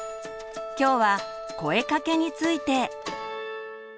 今日は「声かけ」について。